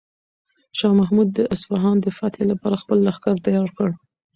شاه محمود د اصفهان د فتح لپاره خپل لښکر تیار کړ.